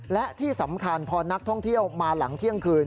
และที่สำคัญพอนักท่องเที่ยวมาหลังเที่ยงคืน